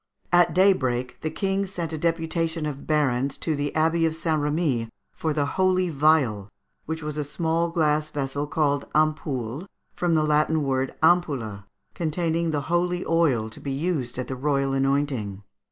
At daybreak, the King sent a deputation of barons to the Abbey of St. Remi for the holy vial, which was a small glass vessel called ampoule, from the Latin word ampulla, containing the holy oil to be used at the royal anointing.